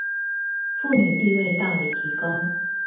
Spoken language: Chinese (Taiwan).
婦女地位大為提高